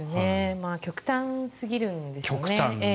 極端すぎるんですよね。